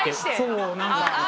そうなんか。